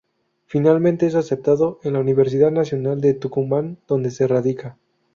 Finalmente es aceptado en la Universidad Nacional de Tucumán, donde se radica.